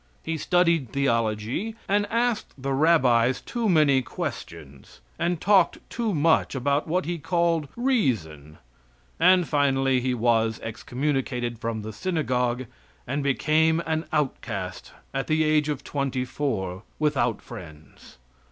He studied theology, and asked the rabbis too many questions, and talked too much about what he called reason, and finally he was excommunicated from the synagogue, and became an outcast at the age of twenty four, without friends.